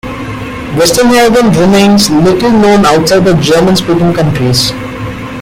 Westernhagen remains little known outside the German-speaking countries.